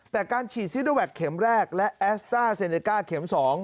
แต่การฉีดซิโนแวคเข็มแรกและแอสต้าเซเนก้าเข็ม๒